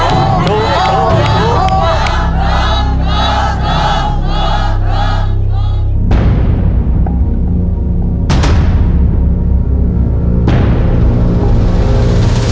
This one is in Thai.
ถูก